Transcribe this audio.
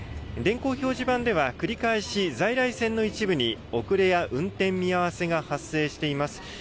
電光表示板では繰り返し在来線の一部に遅れや運転見合わせが発生しています。